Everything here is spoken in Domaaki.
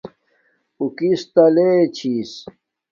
اُو کس تا لے چھس